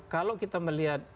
kalau kita melihat